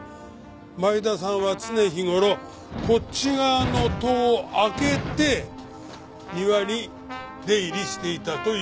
前田さんは常日頃こっち側の戸を開けて庭に出入りしていたという事だ。